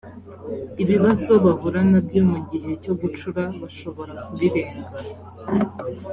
ibibazo bahura na byo mu gihe cyo gucura bashobora kubirenga